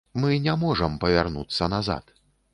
Мы не можам павярнуцца назад.